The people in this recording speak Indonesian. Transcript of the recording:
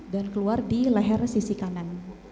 dan keluar di leher sisi kanan